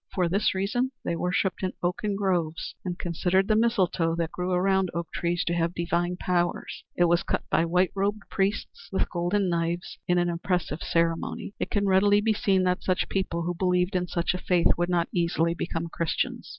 For this reason they worshipped in oaken groves, and considered the mistletoe that grew around oak trees to have divine powers. It was cut by white robed priests with golden knives in an impressive ceremony. It can readily be seen that such people, who believed in such a faith, would not easily become Christians.